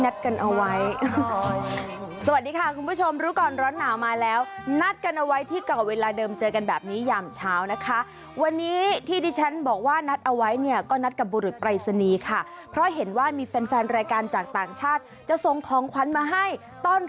สวัสดีค่ะคุณผู้ชมรู้ก่อนร้อนหนาวมาแล้วนัดกันเอาไว้ที่เก่าเวลาเดิมเจอกันแบบนี้ยามเช้านะคะวันนี้ที่ที่ฉันบอกว่านัดเอาไว้เนี่ยก็นัดกับบุรุษปลายศนีย์ค่ะเพราะเห็นว่ามีแฟนแฟนรายการจากต่างชาติจะทรงของความสุขของคุณค่ะคุณผู้ชมรู้ก่อนร้อนหนาวมาแล้วนัดกันเอาไว้ที่เก่าเวลาเดิม